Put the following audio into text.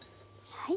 はい。